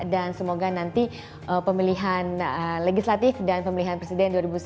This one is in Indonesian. dan semoga nanti pemilihan legislatif dan pemilihan presiden dua ribu sembilan belas